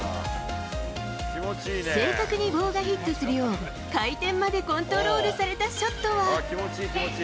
正確に棒がヒットするよう、回転までコントロールされたショットは。